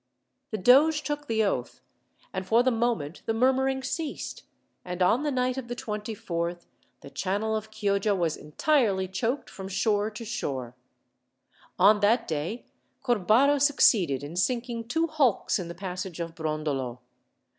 The doge took the oath, and for the moment the murmuring ceased; and, on the night of the 24th, the channel of Chioggia was entirely choked from shore to shore. On that day, Corbaro succeeded in sinking two hulks in the passage of Brondolo.